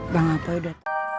bang apoi dah